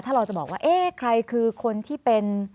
ถ้าเราจะบอกว่าเอ๊ะใครคือคนที่เป็น